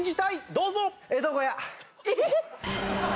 どうぞ！